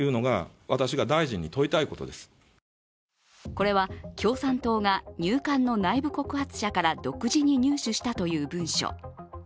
これは共産党が入管の内部告発者から独自に入手したという文書。